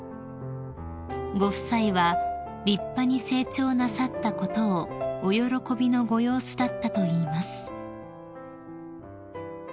［ご夫妻は立派に成長なさったことをお喜びのご様子だったといいます］